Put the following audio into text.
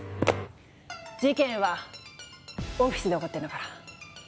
事件はオフィスで起こってるんだから。